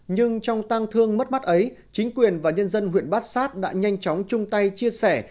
nhưng trong tang thương mất mắt ấy chính quyền và nhân dân huyện bát sát đã nhanh chóng chung tay chia sẻ